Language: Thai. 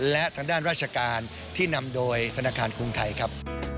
และทางด้านราชการที่นำโดยธนาคารกรุงไทยครับ